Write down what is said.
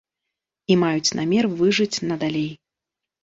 І маюць намер выжыць надалей.